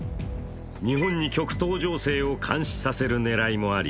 日本に極東情勢を監視させる狙いもあり